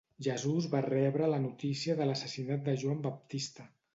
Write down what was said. Jesús va rebre la notícia de l'assassinat de Joan Baptista.